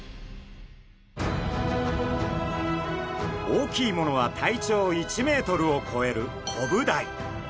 大きいものは体長１メートルを超えるコブダイ。